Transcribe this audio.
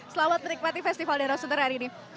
selamat menikmati festival dera sundar hari ini